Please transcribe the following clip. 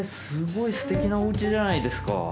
すごいすてきなおうちじゃないですか。